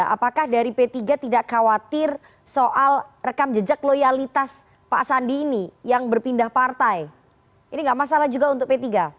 apakah dari p tiga tidak khawatir soal rekam jejak loyalitas pak sandi ini yang berpindah partai ini nggak masalah juga untuk p tiga